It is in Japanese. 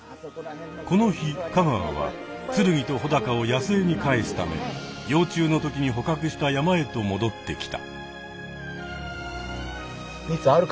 この日香川はつるぎとほだかを野生に返すため幼虫のときに捕獲した山へともどってきた。